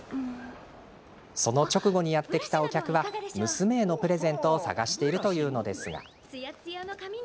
その直後にやって来たお客は娘へのプレゼントを探しているというのですが。